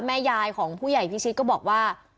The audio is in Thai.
แม่ยายของผู้ใหญ่พิชิตก็บอกว่า